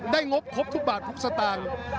งบครบทุกบาททุกสตางค์